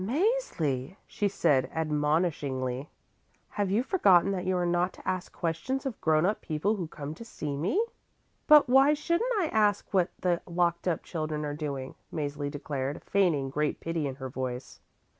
"Mäzli," she said admonishingly, "have you forgotten that you are not to ask questions of grown up people who come to see me?" "But why shouldn't I ask what the locked up children are doing?" Mäzli declared, feigning great pity in her voice.